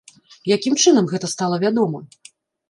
Якім чынам гэта стала вядома?